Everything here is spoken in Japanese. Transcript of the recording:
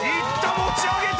持ち上げた！